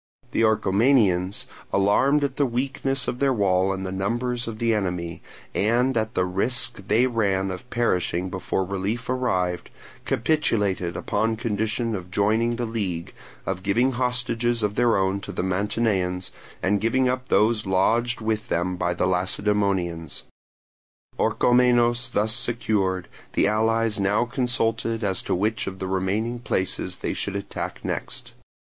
The Orchomenians, alarmed at the weakness of their wall and the numbers of the enemy, and at the risk they ran of perishing before relief arrived, capitulated upon condition of joining the league, of giving hostages of their own to the Mantineans, and giving up those lodged with them by the Lacedaemonians. Orchomenos thus secured, the allies now consulted as to which of the remaining places they should attack next.